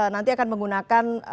nanti akan menggunakan